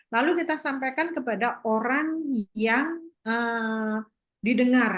lalu kita sampaikan kepada orang yang didengar